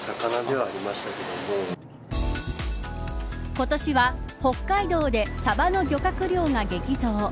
今年は北海道でサバの漁獲量が激増。